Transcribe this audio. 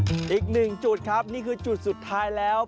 อีกหนึ่งจุดครับนี่คือจุดสุดท้ายแล้ว